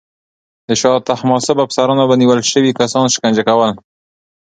د شاه طهماسب افسرانو به نیول شوي کسان شکنجه کول.